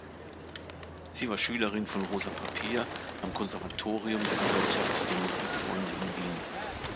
Sie war Schülerin von Rosa Papier am Konservatorium der Gesellschaft der Musikfreunde in Wien.